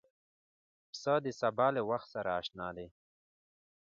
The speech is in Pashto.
پسه د سبا له وخت سره اشنا دی.